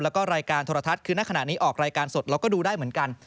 แล้วก็รายการโทรทัศน์คือณขณะนี้ออกรายการสดเราก็ดูได้เหมือนกัน